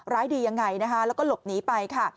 ร้ายดียังไงนะคะแล้วก็หลบหนีไปค่ะ